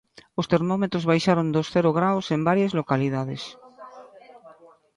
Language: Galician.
Os termómetros baixaron dos cero graos en varias localidades.